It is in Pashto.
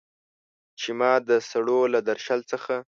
چې ما د سړو له درشل څخه